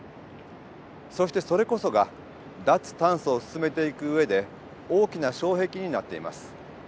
そしてそれこそが脱炭素を進めていく上で大きな障壁になっています。